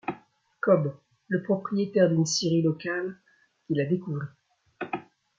Cobb, le propriétaire d’une scierie locale qui la découvrit.